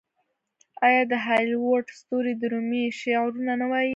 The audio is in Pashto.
آیا د هالیووډ ستوري د رومي شعرونه نه وايي؟